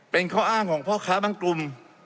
เป็นข้ออ้างของพ่อค้าบางกลุ่ม